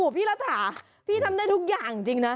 พี่รัฐาพี่ทำได้ทุกอย่างจริงนะ